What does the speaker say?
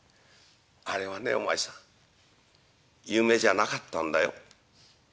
「あれはねお前さん夢じゃなかったんだよ」。